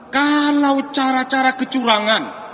kalau cara cara kecurangan